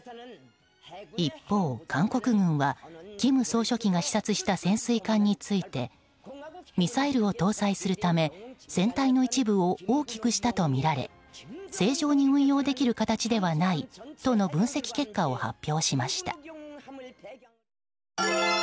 一方、韓国軍は金総書記が視察した潜水艦についてミサイルを搭載するため船体の一部を大きくしたとみられ正常に運用できる形ではないとの分析結果を発表しました。